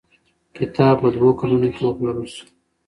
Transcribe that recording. کتاب په دوو کلونو کې وپلورل شو.